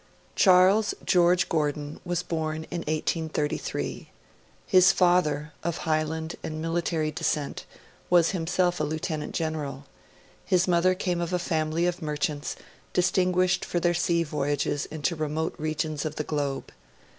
Charles George Gordon was born in 1833. His father, of Highland and military descent, was himself a Lieutenant General; his mother came of a family of merchants, distinguished for their sea voyages into remote regions of the Globe.